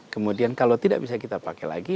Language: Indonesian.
kemudian kalau tidak bisa kita pakai lagi